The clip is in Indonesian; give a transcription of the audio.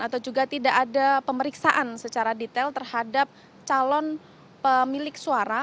atau juga tidak ada pemeriksaan secara detail terhadap calon pemilik suara